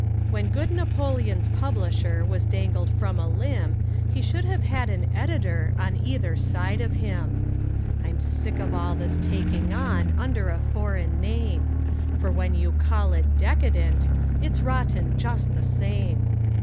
When good Napoleon's publisher Was dangled from a limb, He should have had an editor On either side of him. I'm sick of all this taking on Under a foreign name; For when you call it decadent, It's rotten just the same.